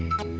ya aku mau